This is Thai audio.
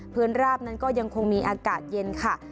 ราบนั้นก็ยังคงมีอากาศเย็นค่ะ